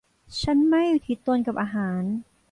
ฉันไม่อุทิศตนกับอาหาร